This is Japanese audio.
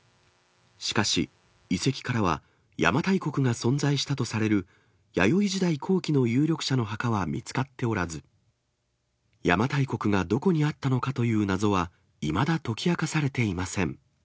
しかし、遺跡からは、邪馬台国が存在したとされる、弥生時代後期の有力者の墓は見つかっておらず、邪馬台国がどこにあったのかという謎は、いまだ解き明かされていません。